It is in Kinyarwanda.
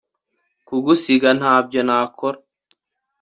kugusiga ntabyo nakora